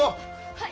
はい！